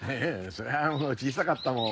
そりゃあ小さかったもん。